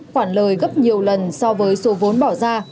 khoản lời gấp nhiều lần so với số vốn bỏ ra